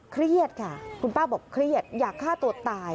เครียดค่ะคุณป้าบอกเครียดอยากฆ่าตัวตาย